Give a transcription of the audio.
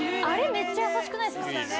あれめっちゃ優しくないですか？